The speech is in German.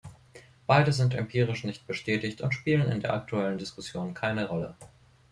Beide sind empirisch nicht bestätigt und spielen in der aktuellen Diskussion keine Rolle.